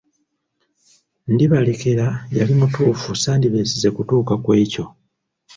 Ndibalekera yali mutuufu sandikwesize kutuuka ku ekyo.